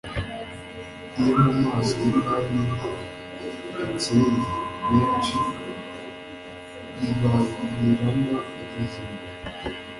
iyo mu maso y'umwami hakeye, benshi bibaviramo ubuzima